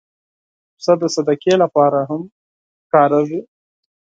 پسه د صدقې لپاره هم کارېږي.